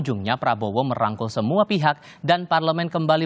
yang hebat itu kadang kadang pak jokowi